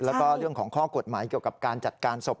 แล้วก็เรื่องของข้อกฎหมายเกี่ยวกับการจัดการศพ